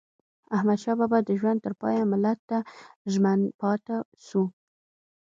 احمدشاه بابا د ژوند تر پایه ملت ته ژمن پاته سو.